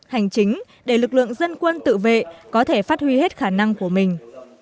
hành chính để lực lượng dân quân tự vệ có thể phát huy hết khả năng của mình